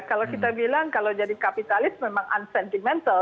kalau kita bilang kalau jadi kapitalis memang uncentimental